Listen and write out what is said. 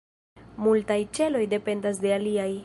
Multaj ĉeloj dependas de aliaj.